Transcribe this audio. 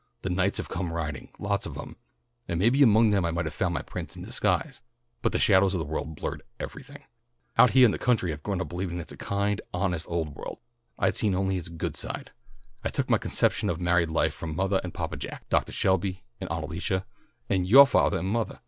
The knights have come riding, lots of them, and maybe among them I might have found my prince in disguise, but the shadows of the world blurred everything. Out heah in the country I'd grown up believing that it's a kind, honest old world. I'd seen only its good side. I took my conception of married life from mothah and Papa Jack, Doctah Shelby and Aunt Alicia, and yoah fathah and mothah.